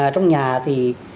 trong nhà thì